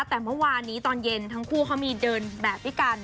แต่เมื่อวานนี้ตอนเย็นทั้งคู่เขามีเดินแบบด้วยกัน